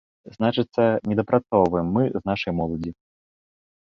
Значыцца, недапрацоўваем мы з нашай моладдзю.